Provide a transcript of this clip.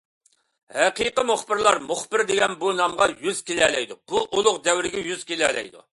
ھەقىقىي مۇخبىرلار مۇخبىر دېگەن بۇ نامغا يۈز كېلەلەيدۇ، بۇ ئۇلۇغ دەۋرگە يۈز كېلەلەيدۇ!